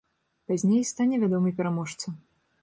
Пазней стане вядомы пераможца.